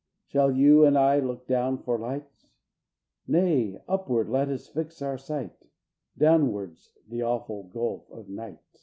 Shall you and I look down for light? Nay, upward let us fix our sight, Downward's the awful gulf of night.